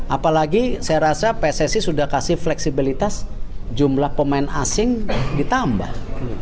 apalagi saya rasa pssi sudah kasih fleksibilitas jumlah pemain asing ditambah